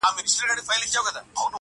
حقيقت څوک نه منل غواړي تل-